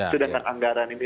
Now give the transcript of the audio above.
sedangkan anggaran ini